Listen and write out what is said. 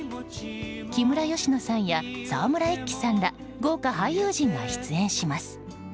木村佳乃さんや沢村一樹さんら豪華俳優陣が出演します。